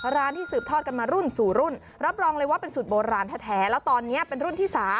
ที่สืบทอดกันมารุ่นสู่รุ่นรับรองเลยว่าเป็นสูตรโบราณแท้แล้วตอนนี้เป็นรุ่นที่๓